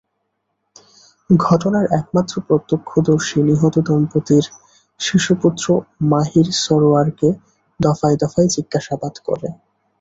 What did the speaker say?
ঘটনার একমাত্র প্রত্যক্ষদর্শী নিহত দম্পতির শিশুপুত্র মাহীর সরওয়ারকে দফায় দফায় জিজ্ঞাসাবাদ করে।